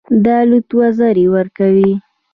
د الوت وزرې ورکوي.